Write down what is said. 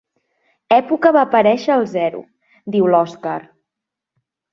Època va aparèixer el zero —diu l'Òskar—.